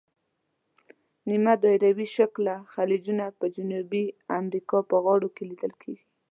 نیمه دایروي شکله خلیجونه په جنوبي امریکا په غاړو کې لیدل کیږي.